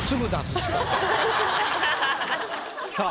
さあ。